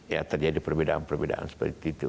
ya terjadi perbedaan perbedaan seperti itu